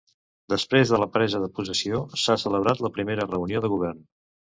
Després de la presa de possessió s'ha celebrat la primera reunió de govern.